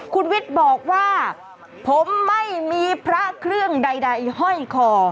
คุณวิทย์บอกว่าผมไม่มีพระเครื่องใดห้อยคอ